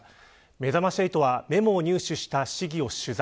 めざまし８はメモを入手した市議を取材。